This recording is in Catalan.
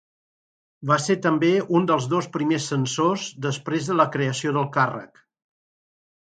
Va ser també un dels dos primers censors després de la creació del càrrec.